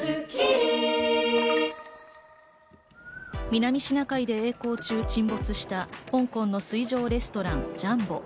南シナ海で、えい航中に沈没した香港の水上レストラン・ジャンボ。